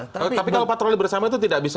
tapi kalau patroli bersama itu tidak bisa